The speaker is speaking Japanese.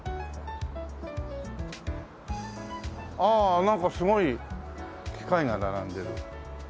ああなんかすごい機械が並んでる。